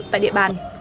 tại địa bàn